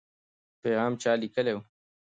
پیغام چا لیکلی و؟